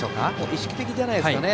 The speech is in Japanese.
意識的じゃないですかね。